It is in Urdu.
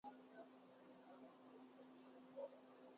زمین پر بچھے ہوئے تھے۔